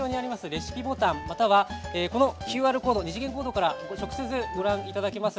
レシピボタンまたは、このＱＲコード２次元コードから直接、ご覧いただけます。